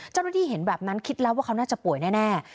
เจ้าหน้าที่เห็นแบบนั้นคิดแล้วว่าเขาน่าจะป่วยแน่